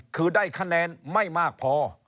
คือได้คะแนนไม่มากพอ